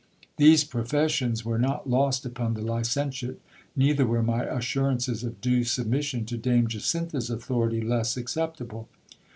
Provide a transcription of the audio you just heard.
These professions were not lost upon the licentiate. Neither were my assurances of due submission to Dame Jacintha's authority less acceptable.